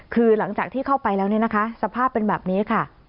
คือหลังจากที่เข้าไปแล้วเนี่ยนะคะสภาพเป็นแบบนี้ค่ะ